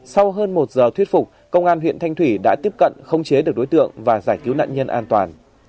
sau hơn một giờ thuyết phục công an huyện thanh thủy đã tiếp cận khống chế được đối tượng và giải cứu nạn nhân an toàn